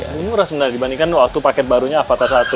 lebih murah sebenarnya dibandingkan waktu paket barunya avata satu